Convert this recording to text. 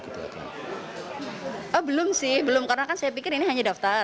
oh belum sih belum karena kan saya pikir ini hanya daftar